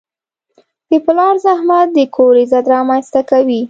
د پلار زحمت د کور عزت رامنځته کوي.